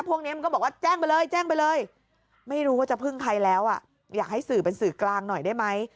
พวกนี้มันก็บอกว่าแจ้งไปเลยแจ้งไปเลยไม่รู้ว่าจะพึ่งใครแล้วอ่ะอยากให้สื่อเป็นสื่อกลางหน่อยได้ไหม